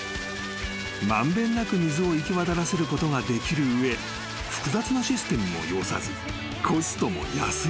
［満遍なく水を行き渡らせることができる上複雑なシステムも要さずコストも安い］